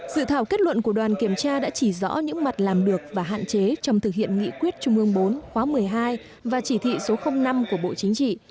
dự thảo kết luận của đoàn kiểm tra đã chỉ rõ những mặt làm được và hạn chế trong thực hiện nghị quyết trung ương bốn khóa một mươi hai và chỉ thị số năm của bộ chính trị